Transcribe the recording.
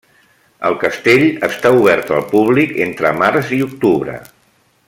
El castell està obert al públic entre març i octubre.